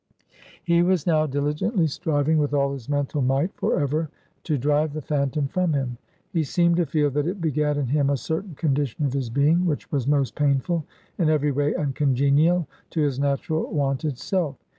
He was now diligently striving, with all his mental might, forever to drive the phantom from him. He seemed to feel that it begat in him a certain condition of his being, which was most painful, and every way uncongenial to his natural, wonted self.